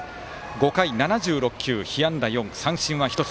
５回７６球、被安打４三振は１つ。